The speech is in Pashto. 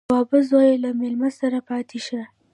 _توابه زويه، له مېلمه سره پاتې شه.